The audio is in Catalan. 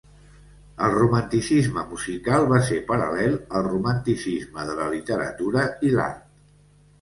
El Romanticisme musical va ser paral·lel al Romanticisme de la literatura i l’art.